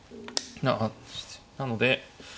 なので。